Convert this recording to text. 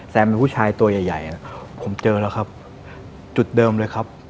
แซมเป็นผู้ชายตัวใหญ่ผมเจอแล้วครับจุดเดิมเลยครับ